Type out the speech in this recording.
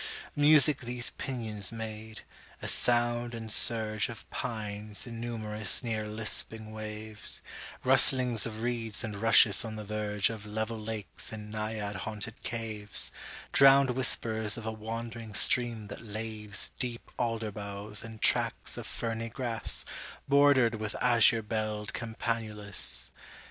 Music these pinions made—a sound and surgeOf pines innumerous near lisping waves—Rustlings of reeds and rushes on the vergeOf level lakes and naiad haunted caves—Drowned whispers of a wandering stream that lavesDeep alder boughs and tracts of ferny grassBordered with azure belled campanulas.